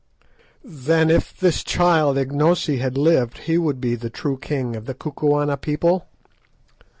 "Then if this child Ignosi had lived he would be the true king of the Kukuana people?"